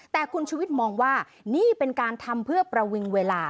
แต่คุณชุวิตมองว่านี่เป็นการทำเพื่อประวิงเวลา